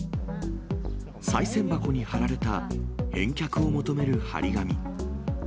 さい銭箱に貼られた返却を求める貼り紙。